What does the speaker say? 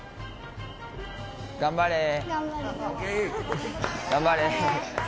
頑張れー。